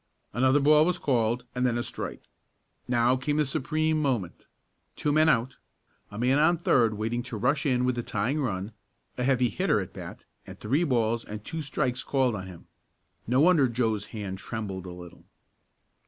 Another ball was called and then a strike. Now came the supreme moment. Two men out, a man on third waiting to rush in with the tieing run, a heavy hitter at bat and three balls and two strikes called on him. No wonder Joe's hand trembled a little.